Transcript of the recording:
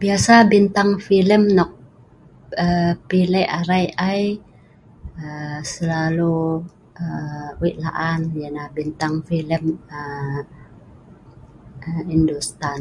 biasa bintang pilem nok um pi lek arai ai, um slalu..[um] wei laan yalah bintang pilem um industan